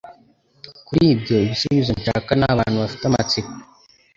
Kuri ibyo Ibisubizo nshaka ni abantu bafite amatsiko…